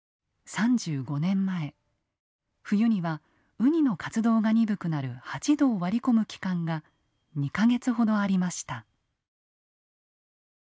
３５年前冬にはウニの活動が鈍くなる８℃を割り込む期間が２か月ほどありました。